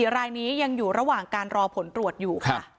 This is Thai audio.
รายนี้ยังอยู่ระหว่างการรอผลตรวจอยู่ค่ะ